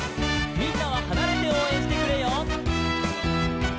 「みんなははなれておうえんしてくれよ」